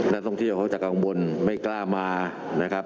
นักท่องเที่ยวเขาจะกังวลไม่กล้ามานะครับ